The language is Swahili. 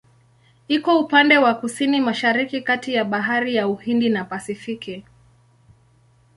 Iko upande wa Kusini-Mashariki kati ya Bahari ya Uhindi na Pasifiki.